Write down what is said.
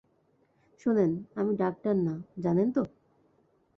শোনেন, আমি ডাক্তার না, জানেন তো?